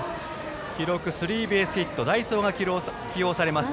記録はスリーベースヒット代走が起用されます。